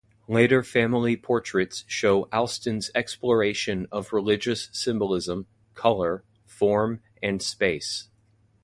Later family portraits show Alston's exploration of religious symbolism, color, form and space.